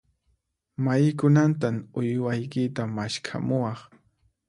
Maykunantan uywaykita maskhamuwaq?